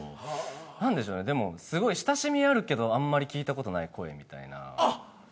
何でしょうねでもすごい親しみあるけどあんまり聞いた事ない声みたいな。